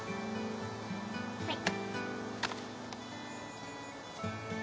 はい。